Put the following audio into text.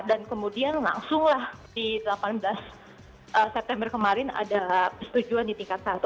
dan kemudian langsung lah di delapan belas september kemarin ada setujuan di tingkat satu